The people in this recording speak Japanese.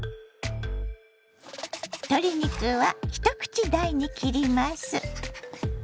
鶏肉は一口大に切ります。